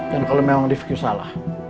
dan kalau memang rifki salah